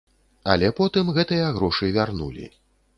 Але потым гэтыя грошы вярнулі.